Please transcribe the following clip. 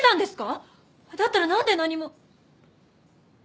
だったらなんで何も。